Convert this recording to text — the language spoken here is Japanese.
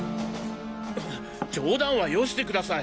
冗談はよしてください。